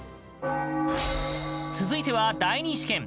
続いては、第２試験。